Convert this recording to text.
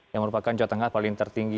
yang merupakan jawa tengah paling tertinggi